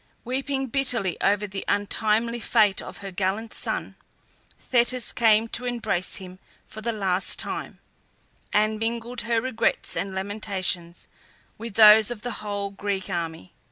Weeping bitterly over the untimely fate of her gallant son, Thetis came to embrace him for the last time, and mingled her regrets and lamentations with those of the whole Greek army.